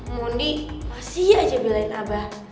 mondi masih aja belain abah